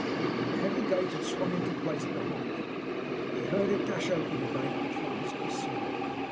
The heavy gate had swung into place behind him, but he heard it dash open again before his pursuer.